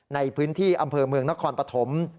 ในพื้นที่อำเภอเมืองนครปฐม